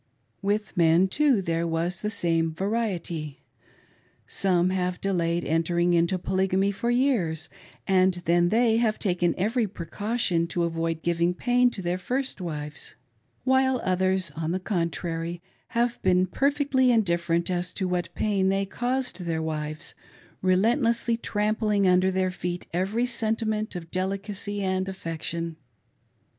With men, top, there was the same variety. Some have delayed entering into Polygamy for years, and then they have taken every pre , caution to avoid giving pain, to their first wives ; while others,, on the contrary, have been perfectly indifferent as to what; pain they caused their wives, relentlessly trampling under their, feet every sentiment of delicacy and affection.